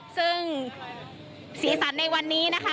ซึ่งสีสันในวันนี้นะคะ